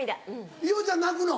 伊代ちゃん泣くの？